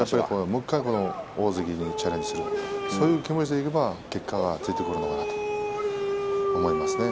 もう１回大関にチャレンジする、そういう気持ちでいけば結果はついてくると思いますね。